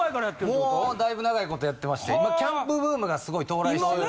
もうだいぶ長い事やってましてキャンプブームがすごい到来してる。